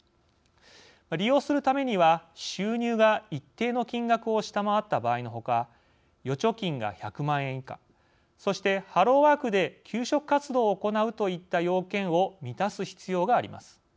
利用するためには収入が一定の金額を下回った場合のほか預貯金が１００万円以下そしてハロワークで求職活動を行うといった要件を満たす必要があります。